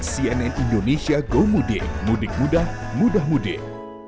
cnn indonesia go mudik mudah mudah mudik